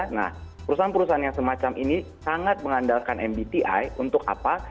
nah perusahaan perusahaan yang semacam ini sangat mengandalkan mbti untuk apa